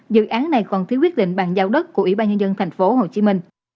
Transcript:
dự án này còn thiếu quyết định bằng giao đất của ủy ban nhân dân tp hcm